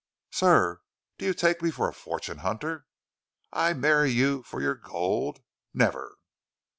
"Sir! Do you take me for a fortune hunter? I marry you for your gold? Never!"